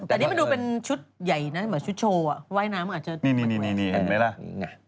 อันนี้มันดูเป็นชุดใหญ่น่ะเหมือนชุดโชว์อ่ะไว้น้ำอาจจะนี่นี่เห็นมั้ยล่ะใหญ่